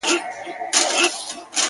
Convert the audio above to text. حروف د ساز له سوره ووتل سرکښه سوله!!